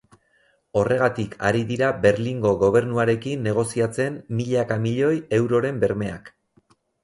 Horregatik ari dira Berlingo gobernuarekin negoziatzen milaka milioi euroren bermeak.